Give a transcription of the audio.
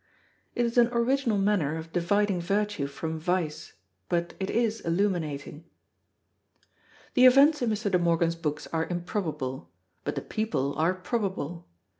It is an original manner of dividing virtue from vice, but it is illuminating. The events in Mr. De Morgan's books are improbable, but the people are probable.